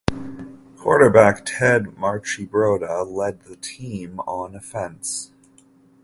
Quarterback Ted Marchibroda led the team on offense.